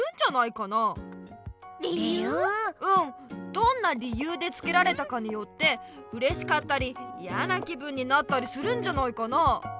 どんな理由でつけられたかによってうれしかったりいやな気分になったりするんじゃないかなあ。